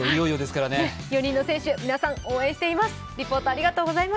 ４人の選手、皆さん、応援しています。